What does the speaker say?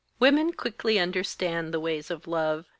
Women quickly understand the ways of love.